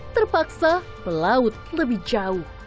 terpaksa melaut lebih jauh